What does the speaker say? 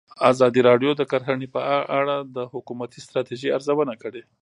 ازادي راډیو د کرهنه په اړه د حکومتي ستراتیژۍ ارزونه کړې.